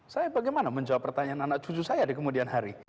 saya bagaimana menjawab pertanyaan anak cucu saya di kemudian hari